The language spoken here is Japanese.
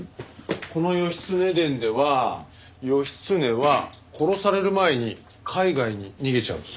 この『義経伝』では義経は殺される前に海外に逃げちゃうんです。